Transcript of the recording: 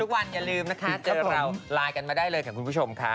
โอเคทุกวันอย่าลืมนะคะเจอเราลายกันมาได้เลยขอบคุณผู้ชมค่ะ